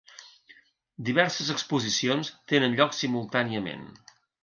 Diverses exposicions tenen lloc simultàniament.